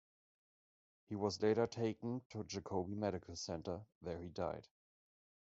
He was later taken to Jacobi Medical Center, where he died.